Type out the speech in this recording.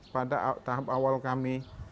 pada tahap awal kami